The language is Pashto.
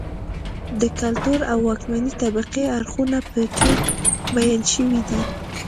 د کلتور او واکمنې طبقې اړخونه په کې بیان شوي دي.